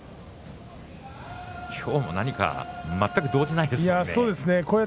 今日も何か全く動じないですね。